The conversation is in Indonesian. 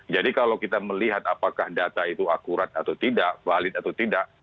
jadi kalau kita melihat apakah data itu akurat atau tidak valid atau tidak